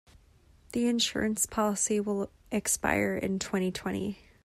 The insurance policy will expire in twenty-twenty.